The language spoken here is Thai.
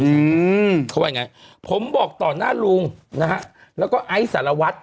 เขาบอกว่าอย่างงี้ผมบอกตอนหน้าลุงแล้วก็ไอซาลวัส